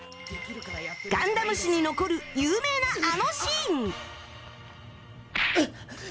ガンダム史に残る有名なあのシーンうっ！